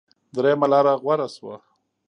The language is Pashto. درېمه لاره غوره شوه.